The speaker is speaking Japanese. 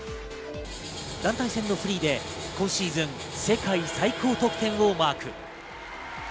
団体戦のフリーで、今シーズン世界最高得点をマーク。